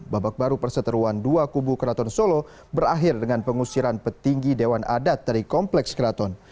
babak baru perseteruan dua kubu keraton solo berakhir dengan pengusiran petinggi dewan adat dari kompleks keraton